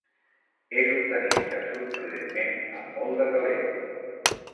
És un tenista sorprenentment amb molt de talent.